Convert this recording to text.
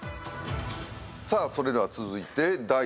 さあそれでは続いて第８位。